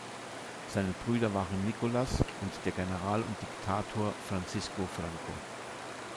Seine Brüder waren Nicolás und der General und Diktator Francisco Franco.